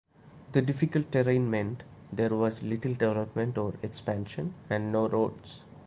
The difficult terrain meant there was little development or expansion, and no roads.